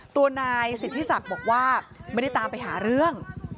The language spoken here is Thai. ตัวนายสิทธิศักดิ์บอกว่าไม่ได้ตามไปหาเรื่อง